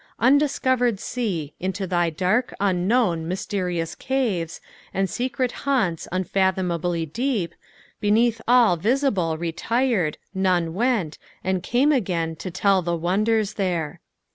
" Undiacoverpd so 1 Into thy dark, nnknown. myslerious caves, And secret bumts untatlioiiiablf deep, Beucalli all visible retired, none went And came again to tall lbs woodera there."